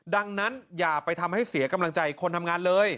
ดังนั้นอย่าไปทำให้เสียกำลังใจคนทำงานเลย